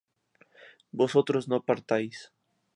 vosotros no partáis